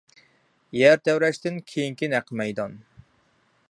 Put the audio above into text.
يەر تەۋرەشتىن كېيىنكى نەق مەيدان.